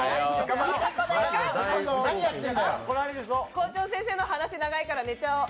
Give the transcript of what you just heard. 校長先生の話長いから寝ちゃおう。